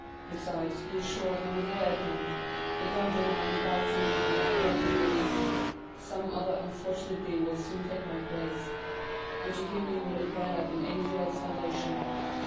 Besides, be assured, my dear Edmond, the dungeon I am about to leave will not long remain empty; some other unfortunate being will soon take my place, and to him you will appear like an angel of salvation.